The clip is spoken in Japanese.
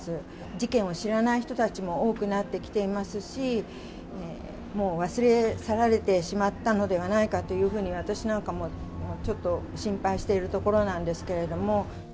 事件を知らない人たちも多くなってきていますし、もう忘れ去られてしまったのではないかというふうに私なんかは、ちょっと心配しているところなんですけれども。